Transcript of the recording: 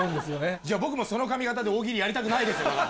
じゃあ、僕もその髪形で大喜利やりたくないです。